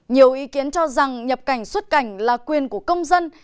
nhiều ý kiến cho rằng nhập cảnh xuất cảnh là quyền của công dân